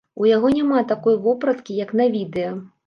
У яго няма такой вопраткі, як на відэа.